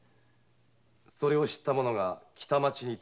それを知った者が北町に通報。